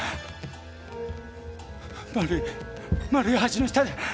丸い丸い橋の下で！